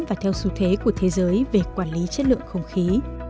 và theo xu thế của thế giới về quản lý chất lượng không khí